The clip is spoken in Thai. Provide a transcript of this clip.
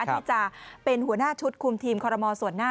ที่จะเป็นหัวหน้าชุดคุมทีมคอรมอลส่วนหน้า